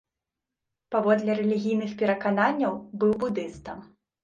Паводле рэлігійных перакананняў быў будыстам.